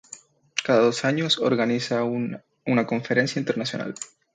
Cada dos años organiza una conferencia internacional.